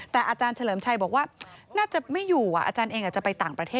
แต่อาจารย์เฉลิมชัยบอกว่าน่าจะไม่อยู่อาจารย์เองอาจจะไปต่างประเทศ